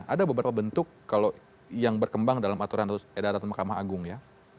ada beberapa bentuk kalau yang berkembang dalam aturan edaran mahkamah agung ya